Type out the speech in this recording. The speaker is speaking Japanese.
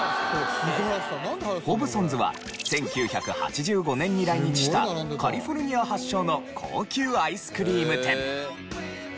ホブソンズは１９８５年に来日したカリフォルニア発祥の高級アイスクリーム店。